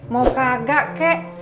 mau kagak kek